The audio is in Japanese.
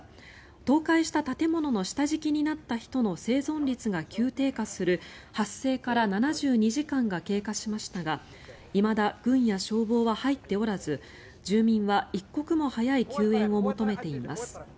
倒壊した建物の下敷きになった人の生存率が急低下する発生から７２時間が経過しましたがいまだ軍や消防は入っておらず住民は一刻も早い救援を求めています。